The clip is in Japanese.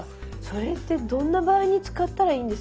それってどんな場合に使ったらいいんですか？